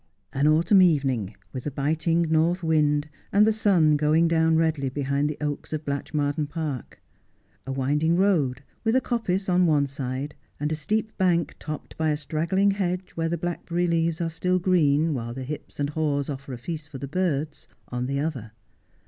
An autumn evening, with a biting north wind, and the suii going down redly behind the oaks of Blatchmardean Park. A winding road, with a coppice on one side, and a steep bank topped by a straggling hedge where the blackberry leaves are still green, while the hips and haws offer a feast for the birds, on the other.